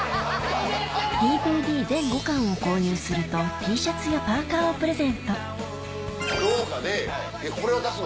ＤＶＤ全５巻を購入するとＴシャツやパーカーをプレゼント廊下で「これを出すの？